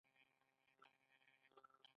ایا د دندې پریښودونکی مستعفي ګڼل کیږي؟